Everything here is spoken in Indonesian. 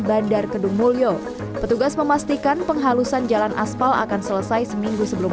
bandar kedung mulyo petugas memastikan penghalusan jalan aspal akan selesai seminggu sebelum